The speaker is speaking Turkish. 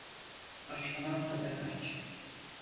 Aç anansa da kaç.